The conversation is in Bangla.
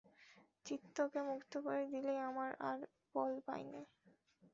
চিত্তকে মুক্ত করে দিলেই আমরা আর বল পাই নে।